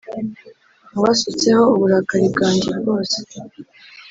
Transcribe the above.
wabasutseho uburakari bwanjye bwose